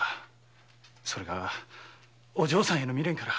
それがお嬢さんへの未練から。